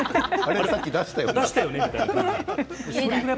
さっき出したよね？